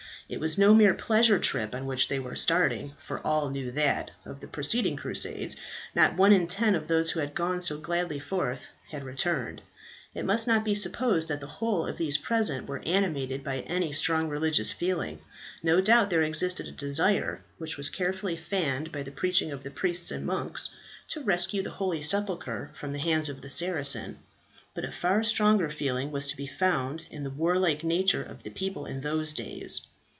It was no mere pleasure trip on which they were starting, for all knew that, of the preceding crusades, not one in ten of those who had gone so gladly forth had ever returned. It must not be supposed that the whole of those present were animated by any strong religious feeling. No doubt there existed a desire, which was carefully fanned by the preaching of the priests and monks, to rescue the holy sepulchre from the hands of the Saracens; but a far stronger feeling was to be found in the warlike nature of the people in those days.